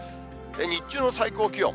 日中の最高気温。